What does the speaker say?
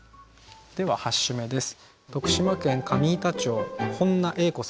では８首目です。